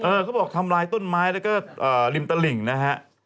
เขาบอกทำลายต้นไม้แล้วก็ริมตลิ่งนะฮะ